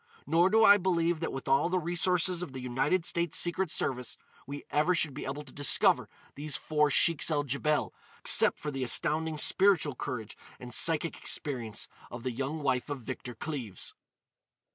Nor do I believe that with all the resources of the United States Secret Service we ever should be able to discover these four Sheiks el Djebel except for the astounding spiritual courage and psychic experience of the young wife of Victor Cleves."